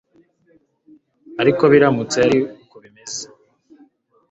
ariko biramutse ari uku bimeze